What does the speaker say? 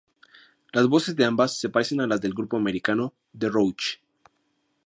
Las voces de ambas se parecen a las del grupo americano The Roches.